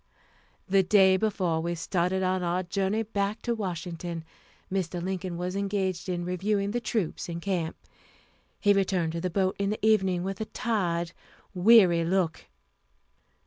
The day before we started on our journey back to Washington, Mr. Lincoln was engaged in reviewing the troops in camp. He returned to the boat in the evening, with a tired, weary look.